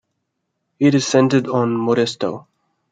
It is centered on Modesto.